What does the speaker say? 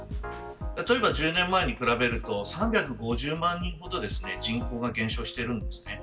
例えば１０年前に比べると３５０万人ほど人口が減少しています。